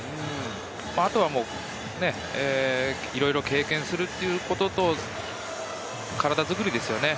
あとはいろいろ経験することと、体づくりですよね。